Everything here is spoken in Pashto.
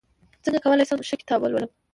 څنګه کولی شم ښه کتاب ولولم